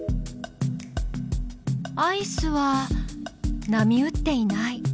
アイスは波打っていない。